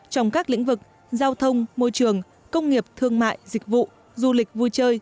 trong các lĩnh vực giao thông môi trường công nghiệp thương mại dịch vụ du lịch vui chơi